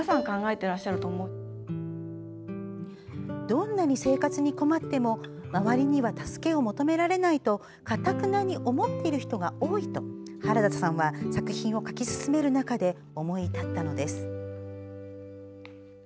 どんなに生活に困っても周りには助けを求められないとかたくなに思っている人が多いと原田さんは作品を書き進める中で思い至ったのです。